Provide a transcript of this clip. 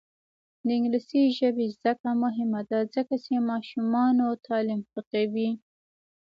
د انګلیسي ژبې زده کړه مهمه ده ځکه چې ماشومانو تعلیم ښه کوي.